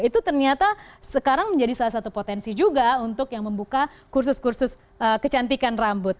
itu ternyata sekarang menjadi salah satu potensi juga untuk yang membuka kursus kursus kecantikan rambut